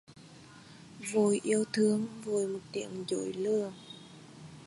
Vội yêu thương vội một tiếng dối lừa...